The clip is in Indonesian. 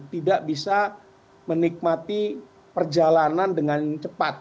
tidak bisa menikmati perjalanan dengan cepat